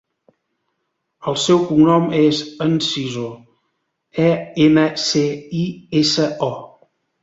El seu cognom és Enciso: e, ena, ce, i, essa, o.